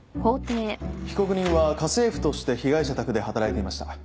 被告人は家政婦として被害者宅で働いていました。